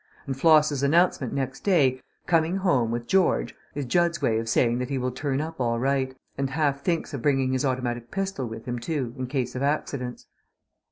And Floss's announcement next day, "Coming home with George," is Jud's way of saying that he will turn up all right, and half thinks of bringing his automatic pistol with him too, in case of accidents.